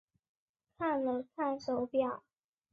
看了看手表